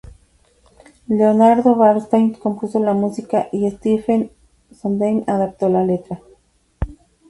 Leonard Bernstein compuso la música y Stephen Sondheim adaptó la letra.